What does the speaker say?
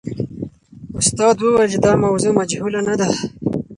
استاد وویل چې دا موضوع مجهوله نه ده.